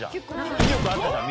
威力あったじゃん